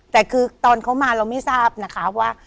แต่คือตอนเขามาเราไม่ทราบนะคะว่า